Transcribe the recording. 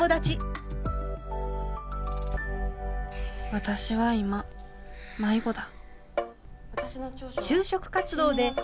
私は今迷子だ。